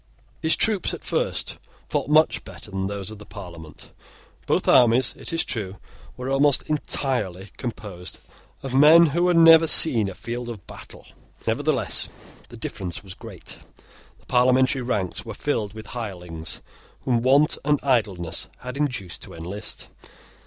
His troops at first fought much better than those of the Parliament. Both armies, it is true, were almost entirely composed of men who had never seen a field of battle. Nevertheless, the difference was great. The Parliamentary ranks were filled with hirelings whom want and idleness had induced to enlist.